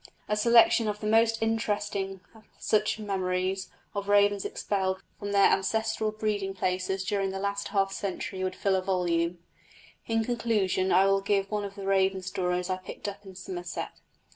A selection of the most interesting of such memories of ravens expelled from their ancestral breeding places during the last half century would fill a volume. In conclusion I will give one of the raven stories I picked up in Somerset.